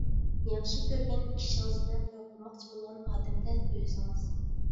ياخشى كۆرگەن كىشىڭىز بىلەن توي قىلماقچى بولغان ئادەم دەل ئۆزىڭىز!